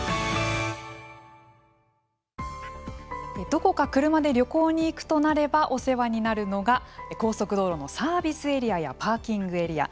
どこか車で旅行に行くとなれば、お世話になるのが高速道路のサービスエリアやパーキングエリア。